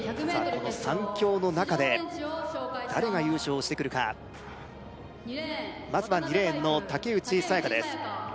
この３強の中で誰が優勝してくるかまずは２レーンの竹内爽香です